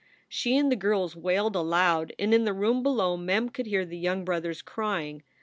She and the girls wailed aloud, and in the room below Mem could hear the young brothers crying.